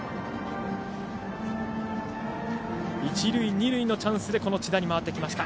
一塁、二塁のチャンスで千田に回ってきました。